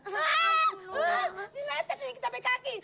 hah lecet ini dikepe kaki